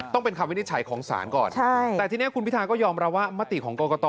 ต้องเป็นคำวินิจฉัยของศาลก่อนแต่ทีนี้คุณพิทาก็ยอมรับว่ามติของกรกต